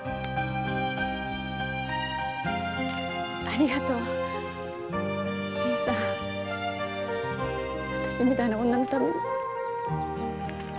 ありがとう新さんあたしみたいな女のために。